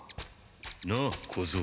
なあ小僧。